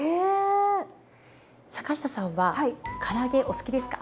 坂下さんはから揚げお好きですか？